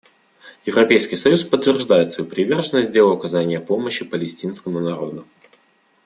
Европейский союз подтверждает свою приверженность делу оказания помощи палестинскому народу.